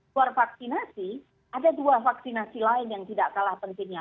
keluar vaksinasi ada dua vaksinasi lain yang tidak kalah pentingnya